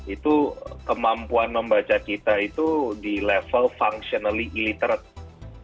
itu kemampuan membaca kita itu di level functionally illiterate